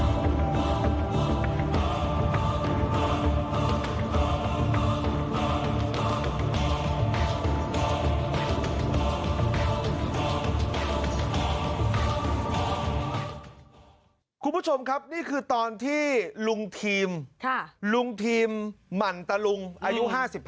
คุณผู้ชมครับนี่คือตอนที่ลุงทีมลุงทีมหมั่นตะลุงอายุ๕๕